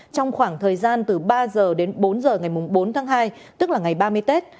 trong khoảng thời gian từ ba h đến bốn h ngày bốn tháng hai tức là ngày ba mươi tết